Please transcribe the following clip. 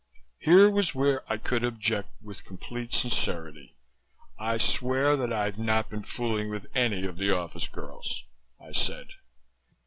Here was where I could object with complete sincerity. "I swear that I've not been fooling with any of the office girls," I said.